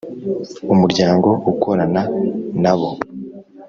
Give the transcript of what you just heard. umuryango ukorana nabo .